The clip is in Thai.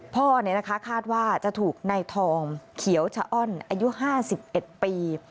พ่อคาดว่าจะถูกในทองเขียวชะอ้อนอายุ๕๑ปี